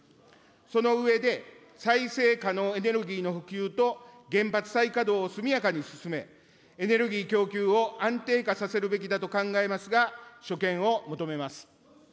その上で、再生可能エネルギーの普及と、原発再稼働を速やかに進め、エネルギー供給を安定化させるべきだと考えますが、所見を求めます。